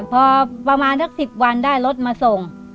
พอประมาณสัก๑๐วันได้รถมาส่ง